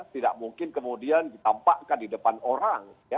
tidak mungkin kemudian ditampakkan di depan orang